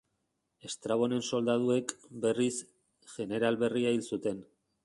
Estrabonen soldaduek, berriz, jeneral berria hil zuten.